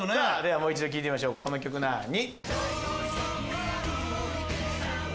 もう一度聴いてみましょうこの曲なに？